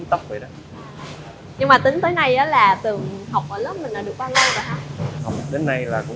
nó cũng làm trên nguyên liệu bột này luôn